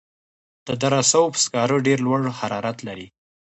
د دره صوف سکاره ډیر لوړ حرارت لري.